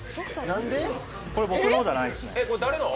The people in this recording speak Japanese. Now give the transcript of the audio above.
これ、僕のじゃないですね。